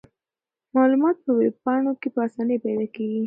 معلومات په ویب پاڼو کې په اسانۍ پیدا کیږي.